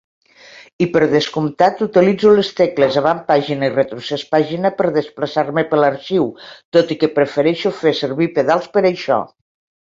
I, per descomptat, utilitzo les tecles Av pàg i Re pàg per desplaçar-me pel arxiu, tot i que prefereixo fer servir pedals per això.